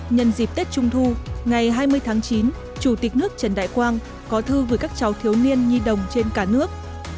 nhân dịp tết trung thu ngày hai mươi tháng chín chủ tịch nước trần đại quang có thư gửi các cháu thiếu niên nhi đồng trên cả nước